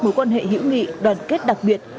mối quan hệ hữu nghị đoàn kết đặc biệt